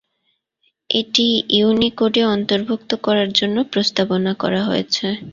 এটি ইউনিকোডে অন্তর্ভুক্ত করার জন্য প্রস্তাবনা করা হয়েছে।